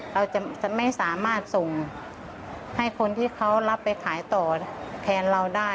เราจะไม่สามารถส่งให้คนที่เขารับไปขายต่อแทนเราได้